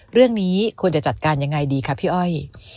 เรื่องนี้ควรจะจัดการยังไงดีคะพี่อ้อย